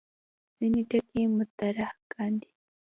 ځینې ټکي مطرح کاندي.